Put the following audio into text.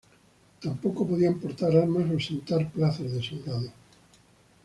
Tampoco podían portar armas o sentar plazas de soldados.